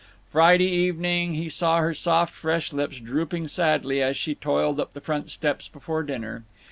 Friday evening he saw her soft fresh lips drooping sadly as she toiled up the front steps before dinner.